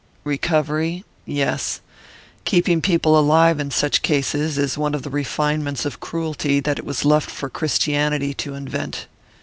"Recovery? Yes. Keeping people alive in such cases is one of the refinements of cruelty that it was left for Christianity to invent."